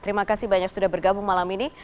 terima kasih banyak sudah bergabung malam ini